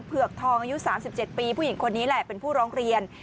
เผือกทองอายุ๓๗ปีผู้หญิงคนนี้แหละเป็นผู้ร้องเรียน